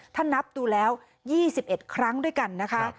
ถ้านับดูแล้ว๒๑ครั้งด้วยกันนะคะ